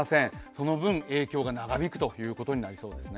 その分、影響が長引くことになりそうですね。